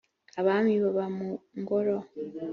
abami baba mu ngoro.